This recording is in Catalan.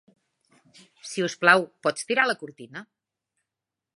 Si us plau, pots tirar la cortina?